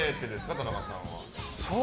田中さんは。